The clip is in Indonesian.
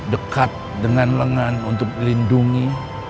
dekat dengan lengan untuk lindungi